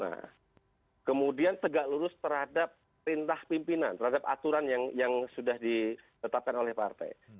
nah kemudian tegak lurus terhadap perintah pimpinan terhadap aturan yang sudah ditetapkan oleh partai